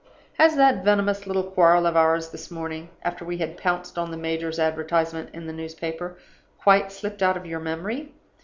"Has that venomous little quarrel of ours this morning after we had pounced on the major's advertisement in the newspaper quite slipped out of your memory?